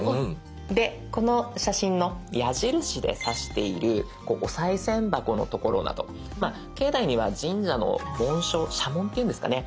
この写真の矢印で指しているおさい銭箱の所など境内には神社の紋章社紋っていうんですかね